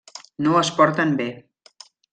No es porten bé.